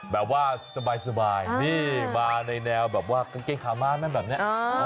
แบบว่าสบายนี่มาในแนวแบบว่ากางเกงขาม้าแม่แบบนี้